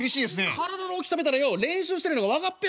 「体の大きさ見たらよ練習してるのが分かっぺよ